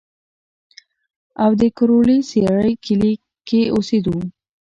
او د کروړې سېرۍ کلي کښې اوسېدو